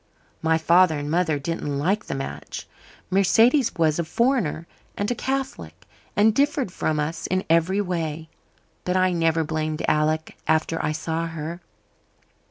My father and mother didn't like the match. Mercedes was a foreigner and a Catholic, and differed from us in every way. But I never blamed Alec after I saw her.